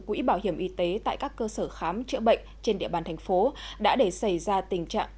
quỹ bảo hiểm y tế tại các cơ sở khám chữa bệnh trên địa bàn thành phố đã để xảy ra tình trạng